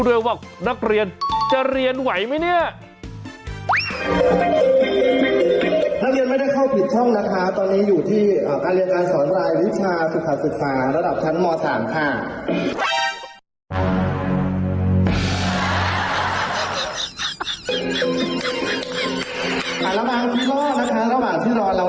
อ่านของนักเรียนปิดใหม่ด้วยนะคะตอนนี้เราสามารถคุยกันในช่องทางการแซดนะ